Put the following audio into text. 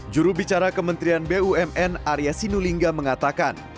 juru bicara kementerian bumn arya sinulinga mengatakan